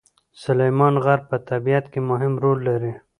سلیمان غر په طبیعت کې مهم رول لري.